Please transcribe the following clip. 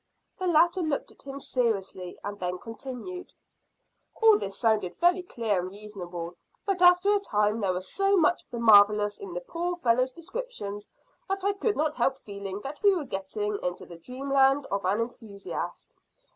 The latter looked at him seriously, and then continued "All this sounded very clear and reasonable, but after a time there was so much of the marvellous in the poor fellow's descriptions that I could not help feeling that we were getting into the dreamland of an enthusiast."